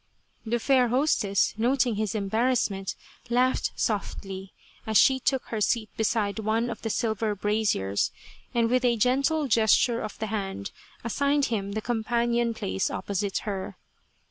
The fair hostess, noting his embarrassment, laughed softly, as she took her seat beside one of the silver braziers, and with a gentle gesture of the hand as signed him the companion place opposite her.